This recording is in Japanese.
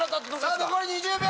さぁ残り２０秒！